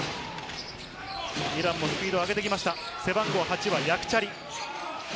イランもスピード上げてきました、ヤクチャリ。